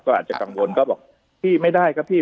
ก็อาจจะกังวลก็บอกพี่ไม่ได้ครับพี่